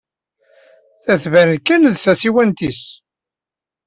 Ta tban kan d tasiwant-nnes.